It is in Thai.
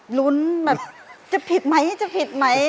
หลุนแบบจะผิดไหม